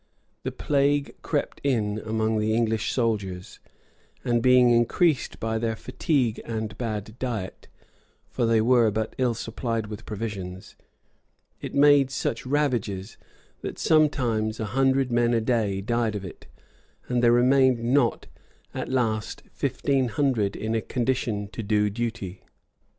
The plague crept in among the English soldiers; and being increased by their fatigue and bad diet, (for they were but ill supplied with provisions,[*]) it made such ravages, that sometimes a hundred men a day died of it; and there remained not, at last, fifteen hundred in a condition to do duty.